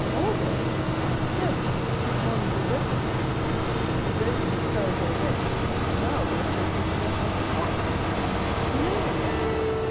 "All day?" "Yes; this morning we breakfasted with him; we rode in his carriage all day, and now we have taken possession of his box." "You know him, then?"